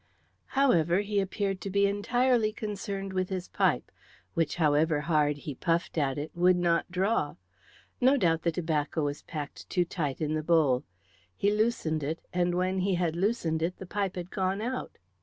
However, he appeared to be entirely concerned with his pipe, which, however hard he puffed at it, would not draw. No doubt the tobacco was packed too tight in the bowl. He loosened it, and when he had loosened it the pipe had gone out.